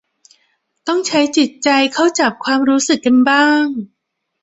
ต้องใช้จิตใจเข้าจับความรู้สึกกันบ้าง